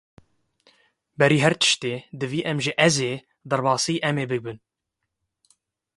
Berî her tiştî, divê em ji "ez"ê derbasî "em" ê bibin.